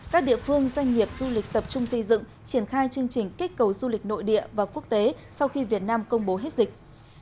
các địa phương doanh nghiệp du lịch tập trung xây dựng triển khai chương trình kích cầu du lịch nội địa và quốc tế sau khi việt nam công bố hết dịch